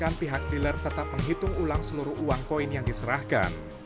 masalah uang maupun apapun di negara kita ini kami sudah menanggung uang dan berlaku